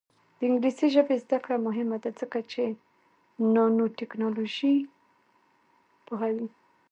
د انګلیسي ژبې زده کړه مهمه ده ځکه چې نانوټیکنالوژي پوهوي.